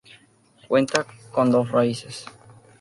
Cuenta con dos raíces.